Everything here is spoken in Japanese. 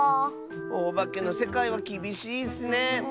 おばけのせかいはきびしいッスね。